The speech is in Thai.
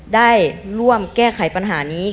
ได้ร่วมแก้ไขปัญหานี้